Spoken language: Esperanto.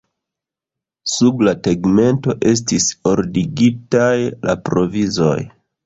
Sub la tegmento estis ordigitaj la provizoj.